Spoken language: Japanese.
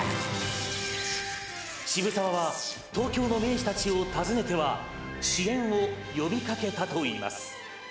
渋沢は東京の名士たちを訪ねては支援を呼びかけたといいます。